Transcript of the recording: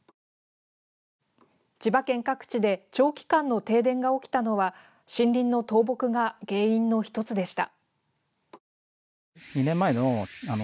千葉県各地で長期間の停電が起きたのは森林の倒木が原因の１つでした。